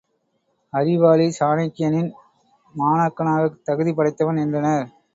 அறிவாளி சாணக்கியனின் மாணாக்கனாகத் தகுதி படைத்தவன் என்றனர்.